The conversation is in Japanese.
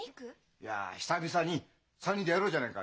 いや久々に３人でやろうじゃないか。